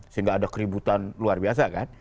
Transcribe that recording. sehingga ada keributan luar biasa kan